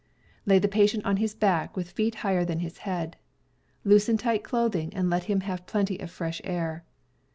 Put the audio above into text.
Lay the patient on his back, with feet higher than his head. Loosen tight clothing, and let him have _,.. plenty of fresh air.